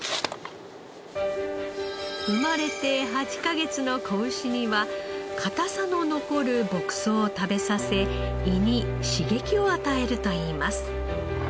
生まれて８カ月の子牛には硬さの残る牧草を食べさせ胃に刺激を与えるといいます。